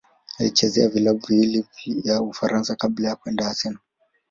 Alichezea vilabu viwili vya Ufaransa kabla ya kwenda Arsenal.